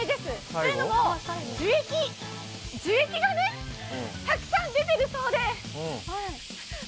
というのも、樹液がたくさん出てるそうで。